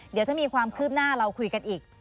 เดี๋ยวถ้ามีความคืบหน้าเราคุยกันอีก